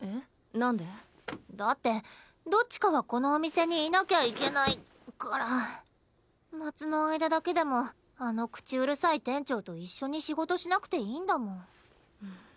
なんで？だってどっちかはこのお店にいなきゃいけないから夏の間だけでもあの口うるさい店長と一緒に仕事しなくていいんだもん。